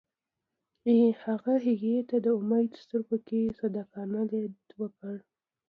هغه هغې ته د امید سترګو کې صادقانه لید وکړ.